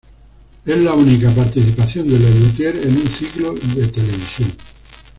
Es la única participación de Les Luthiers en un ciclo de televisión.